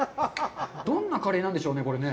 どんなカレーなんですね、これね。